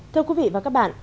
thưa quý vị và các bạn